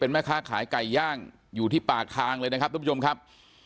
แม่ค้าขายไก่ย่างอยู่ที่ปากทางเลยนะครับทุกผู้ชมครับ